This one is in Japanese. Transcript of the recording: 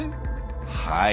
はい。